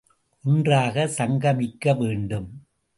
ஒன்றாக சங்கமிக்க வேண்டும்.